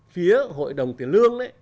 phía hội đồng tiền lương